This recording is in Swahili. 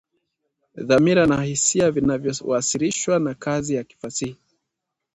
dhamira na hisia vinavyowasilishwa na kazi ya kifasihi